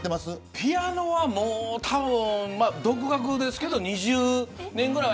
ピアノはたぶん、独学ですけど２０年ぐらいは。